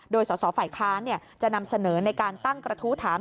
โดยสอสอฝ่ายค้านจะนำเสนอในการตั้งกระทู้ถาม